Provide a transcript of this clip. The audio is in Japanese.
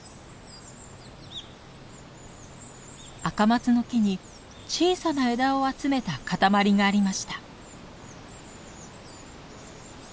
アカマツの木に小さな枝を集めたかたまりがありました。